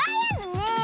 うん。